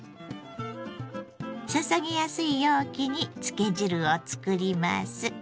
注ぎやすい容器に漬け汁をつくります。